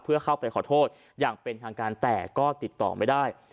เพื่อเข้าไปขอโทษอย่างเป็นทางการแต่ก็ติดต่อไม่ได้